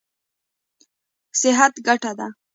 صحت ګټه ده.